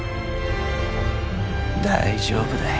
大丈夫だい。